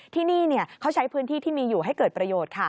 ที่นี่เขาใช้พื้นที่ที่มีอยู่ให้เกิดประโยชน์